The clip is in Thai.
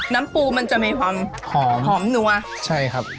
น้ำปูมันจะมีความหอมหอมนัวใช่ครับ